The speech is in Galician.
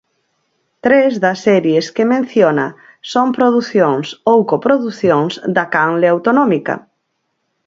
Tres das series que menciona son producións ou coproducións da canle autonómica.